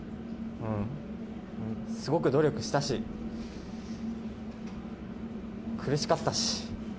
すごく努力したし、苦しかったし。